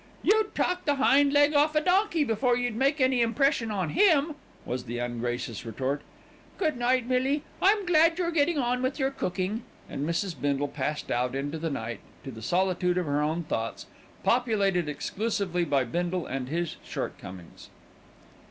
"You'd talk the hind leg off a donkey before you'd make any impression on him," was the ungracious retort. "Good night, Millie, I'm glad you're getting on with your cooking," and Mrs. Bindle passed out into the night to the solitude of her own thoughts, populated exclusively by Bindle and his shortcomings.